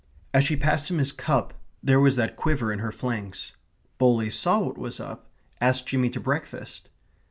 As she passed him his cup there was that quiver in her flanks. Bowley saw what was up asked Jimmy to breakfast.